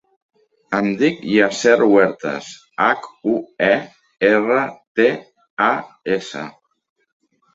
Em dic Yasser Huertas: hac, u, e, erra, te, a, essa.